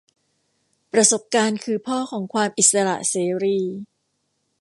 ประสบการณ์คือพ่อของความอิสระเสรี